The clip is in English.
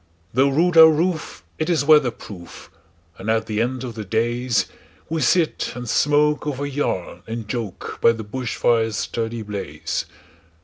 Though rude our roof, it is weather proof, And at the end of the daysWe sit and smoke over yarn and joke, By the bush fire's sturdy blaze.